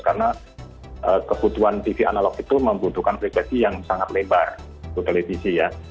karena kebutuhan tv analog itu membutuhkan frekuensi yang sangat lebar untuk televisi ya